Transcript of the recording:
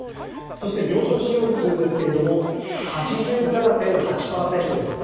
そして、病床使用率ですが８７．８％です。